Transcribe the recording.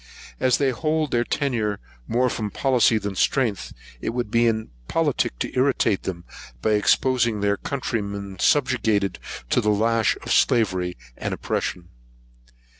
As they hold their tenure more from policy than strength, it would be impolitic to irritate them, by exposing their countrymen, subjugated to the lash of slavery and oppression.